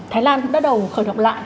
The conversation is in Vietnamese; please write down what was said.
thái lan cũng bắt đầu khởi động lại